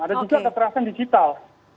ada juga kekerasan digital